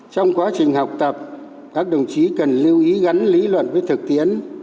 trong quá trình học tập các đồng chí cần lưu ý gắn lý luận với thực tiến